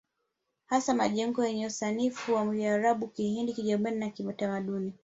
Hasa majengo yenye usanifu wa Kiarabu Kihindi Kijerumani na Kitamaduni